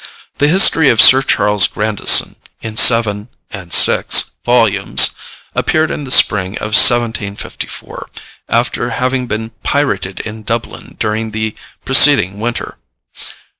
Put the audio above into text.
The History of Sir Charles Grandison, in seven (and six) volumes, appeared in the spring of 1754, after having been pirated in Dublin during the preceding winter.